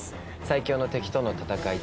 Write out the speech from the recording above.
最強の敵との戦い